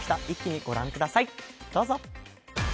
一気に御覧ください、どうぞ。